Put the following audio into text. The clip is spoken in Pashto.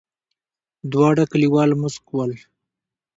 دواړه کليوال موسک ول.